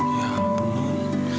ya ampun non